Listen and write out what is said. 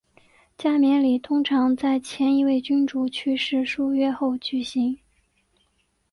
加冕礼通常在前一位君主去世数月后举行。